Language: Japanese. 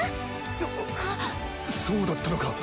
そそうだったのか。